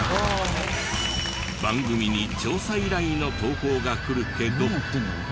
番組に調査依頼の投稿が来るけど。